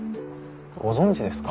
ご存じですか？